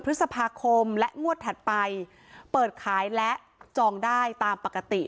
พฤษภาคมและงวดถัดไปเปิดขายและจองได้ตามปกติ